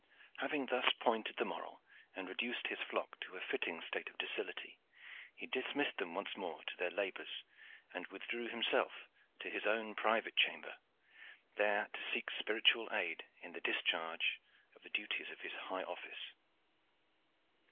Having thus pointed the moral and reduced his flock to a fitting state of docility, he dismissed them once more to their labors and withdrew himself to his own private chamber, there to seek spiritual aid in the discharge of the duties of his high office.